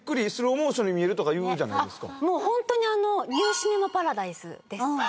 ホントにあの『ニュー・シネマ・パラダイス』です。